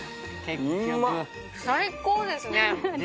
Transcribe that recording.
最高ですね